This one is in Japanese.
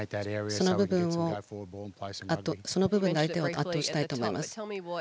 その部分で相手を圧倒したいと思います。